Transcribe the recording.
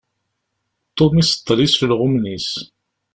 Tom iseṭṭel icelɣumen-is.